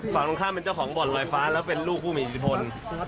ฝั่งตรงข้ามเป็นเจ้าของบ่อนลอยฟ้าแล้วเป็นลูกผู้มีอิทธิพล